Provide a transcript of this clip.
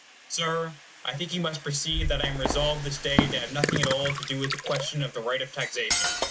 Sir, I think you must perceive that I am resolved this day to have nothing at all to do with the question of the right of taxation.